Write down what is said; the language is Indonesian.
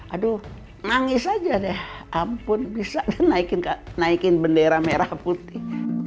aduh nangis aja deh ampun bisa kan naikin bendera merah putih